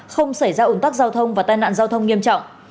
không xảy ra ủn tắc giao thông và tai nạn giao thông nghiêm trọng